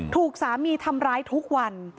ถูกสามีทำร้ายทุกวัน